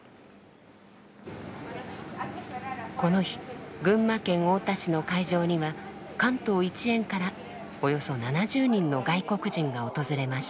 この日群馬県太田市の会場には関東一円からおよそ７０人の外国人が訪れました。